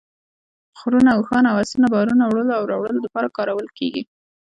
خرونه ، اوښان او اسونه بارونو وړلو او راوړلو دپاره کارول کیږي